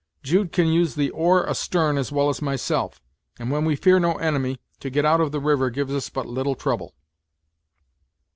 Jude can use the oar astern as well as myself; and when we fear no enemy, to get out of the river gives us but little trouble."